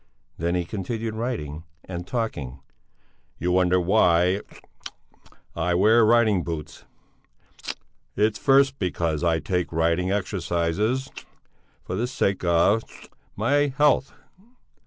'" Then he continued writing and talking. "You wonder why I wear riding boots. It's first because I take riding exercises for the sake of my health...."